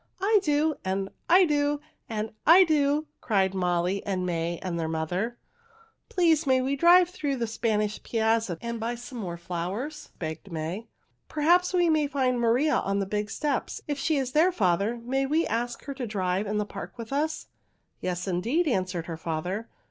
"I do!" and "I do!" and "I do!" cried Molly and May and their mother. "Please may we drive first through the Spanish Piazza and buy some more flowers?" begged May. "Perhaps we may find Maria on the big steps. If she is there, father, may we ask her to drive in the park with us?" "Yes, indeed!" answered her father.